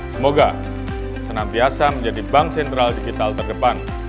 semoga senantiasa menjadi bank sentral digital terdepan